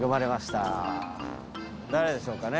誰でしょうかね？